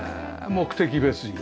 目的別に。